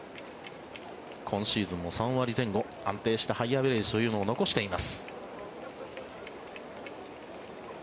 今シーズンも３割前後安定したハイアベレージを残しています。